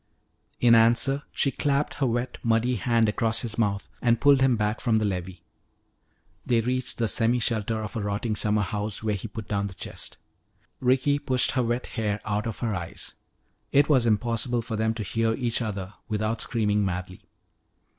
In answer she clapped her wet, muddy hand across his mouth and pulled him back from the levee. They reached the semi shelter of a rotting summer house where he put down the chest. Ricky pushed her wet hair out of her eyes. It was impossible for them to hear each other without screaming madly.